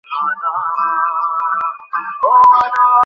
গাড়ি ছাড়িলে অপুর চোখে জল আসিল।